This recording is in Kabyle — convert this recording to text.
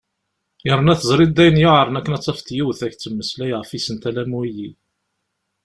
Yerna teẓriḍ d ayen yuɛren akken ad tafeḍ yiwet ad ak-d-temmeslay ɣef isental a wiyi.